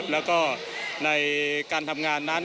แล้วก็ในการทำงานนั้น